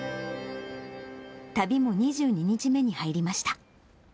旅も２２日目に入りました。